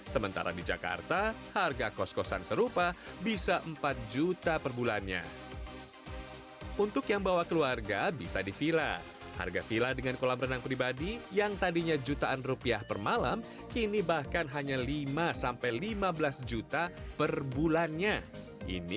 sementara di jakarta harga kos kosan rasa villa hanya berkisar satu lima sampai dua lima juta saja per bulan